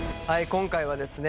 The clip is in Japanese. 今回はですね